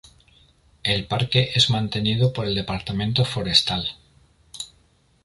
El parque es mantenido por el Departamento Forestal.